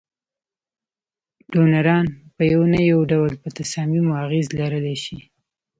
ډونران په یو نه یو ډول په تصامیمو اغیز لرلای شي.